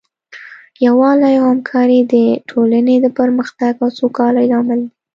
یووالی او همکاري د ټولنې د پرمختګ او سوکالۍ لامل دی.